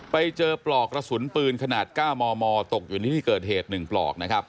ไปเจอปลอกกระสุนปืนขนาด๙มมตกอยู่ในที่เกิดเหตุ๑ปลอกนะครับ